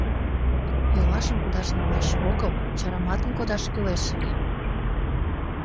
Йолашым кудаш налаш огыл, чараматын кодаш кӱлеш ыле!..